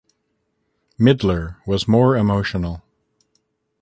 Midler was more emotional.